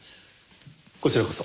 こちらこそ。